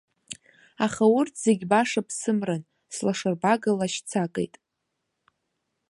Аха урҭ зегь баша ԥсымран, слашарбага лашьцакит.